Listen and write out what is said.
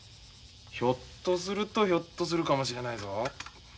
ひょっとするとひょっとするかもしれないぞ。